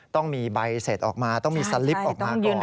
ต้องมีใบเสร็จออกมาต้องมีสลิปออกมาก่อน